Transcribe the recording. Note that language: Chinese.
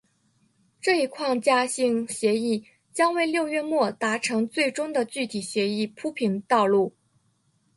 这一框架性协议将为六月末达成最终的具体协议铺平道路。